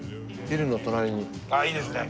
あっいいですね。